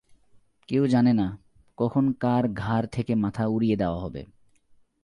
কেউ জানে না, কখন কার ঘাড় থেকে মাথা উড়িয়ে দেওয়া হবে।